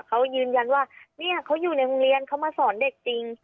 เขายืนยันว่าเนี่ยเขาอยู่ในโรงเรียนเขามาสอนเด็กจริง